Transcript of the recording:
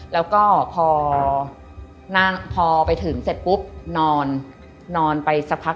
แล้วก็พอ